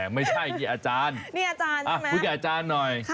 ไม่ใช่นี่อาจารย์คุยกับอาจารย์หน่อย